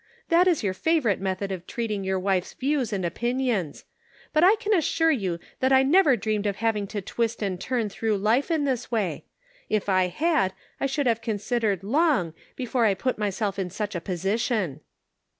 That is your favorite method of treating your wife's views and opinions ; but I can assure you that I never dreamed of having to twist and turn through life in this way. If I had, I 420 The Pocket Measure. should have considered long, before I put my self in such a position."